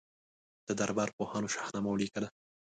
د دربار پوهانو شاهنامه ولیکله.